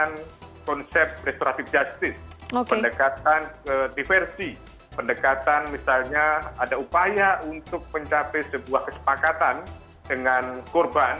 dengan konsep restoratif justice pendekatan diversi pendekatan misalnya ada upaya untuk mencapai sebuah kesepakatan dengan korban